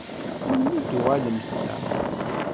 Melmi i d-tuɣalemt da?